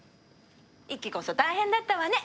一輝こそ大変だったわね。